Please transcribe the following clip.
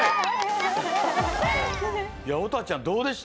乙葉ちゃんどうでした？